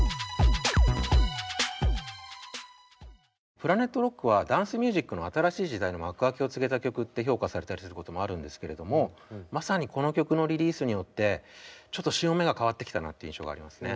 「ＰｌａｎｅｔＲｏｃｋ」はダンスミュージックの新しい時代の幕開けを告げた曲って評価されたりすることもあるんですけれどもまさにこの曲のリリースによってちょっと潮目が変わってきたなって印象がありますね。